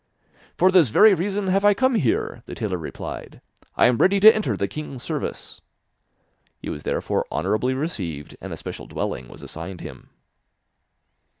'For this very reason have I come here,' the tailor replied, 'I am ready to enter the king's service.' He was therefore honourably received, and a special dwelling was assigned him.